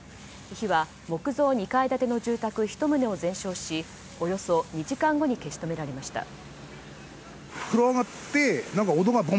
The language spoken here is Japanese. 火は木造２階建ての住宅１棟を全焼しおよそ２時間後に消し止められました。